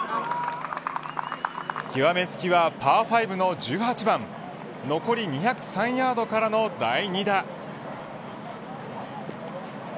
極めつきはパー５の１８番残り２０３ヤードからの第２打。